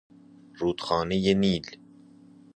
رودخانه نیل